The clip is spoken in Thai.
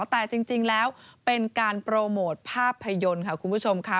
แต่จริงแล้วเป็นการโปรโมทภาพยนตร์ค่ะคุณผู้ชมค่ะ